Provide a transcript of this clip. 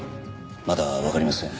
まだわかりません。